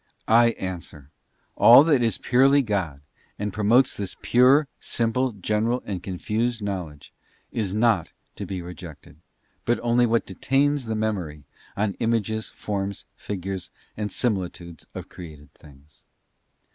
TI answer, all that is purely God and promotes this pure simple general and confused knowledge, is not to be rejected, but only what detains the Memory on images, forms, figures, and similitudes of created things.